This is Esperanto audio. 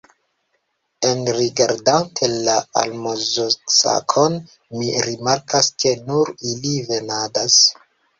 Enrigardante la almozosakon mi rimarkas, ke nur ili venadas.